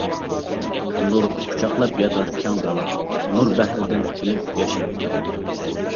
نۇر قۇچاقلاپ ياتار كەڭ دالا، نۇر بەھرىدىن كۈلۈپ، ياشىرىپ.